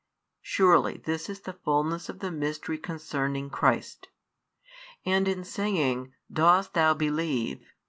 Surely this is the fulness of the mystery concerning Christ. And in saying: Dost thou believe?